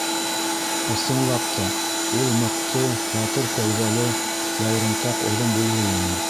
Ысынлап та, ул мыҡты, батыр кәүҙәле, яурынтаҡ оҙон буйлы ине.